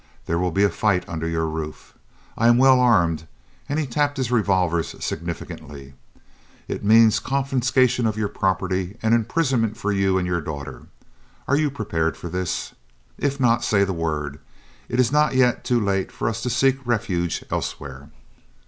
There will be a fight under your roof. I am well armed" he tapped his revolvers significantly; "it means confiscation of your property and imprisonment for you and your daughter. Are you prepared for this? If not, say the word; it is not yet too late for us to seek refuge elsewhere."